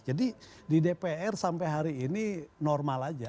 jadi di dpr sampai hari ini normal aja